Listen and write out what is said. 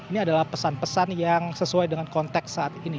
ini adalah pesan pesan yang sesuai dengan konteks saat ini